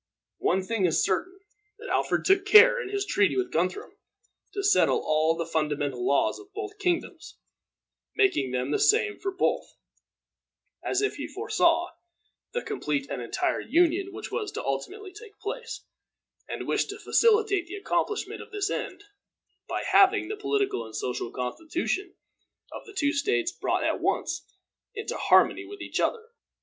One thing is certain, that Alfred took care, in his treaty with Guthrum, to settle all the fundamental laws of both kingdoms, making them the same for both, as if he foresaw the complete and entire union which was ultimately to take place, and wished to facilitate the accomplishment of this end by having the political and social constitution of the two states brought at once into harmony with each other.